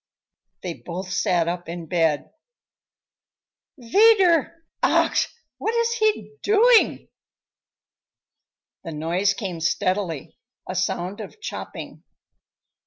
They both sat up in bed. "Wieder! Ach, What is he doing?" The noise came steadily, a sound of chopping.